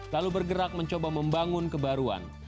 lalu bergerak mencoba membangun kebaruan